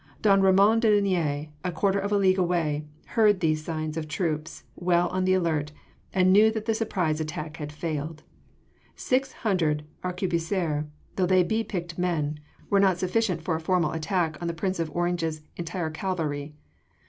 Don Ramon de Linea, a quarter of a league away, heard these signs of troops well on the alert and he knew that the surprise attack had failed. Six hundred arquebusiers though they be picked men were not sufficient for a formal attack on the Prince of Orange’s entire cavalry.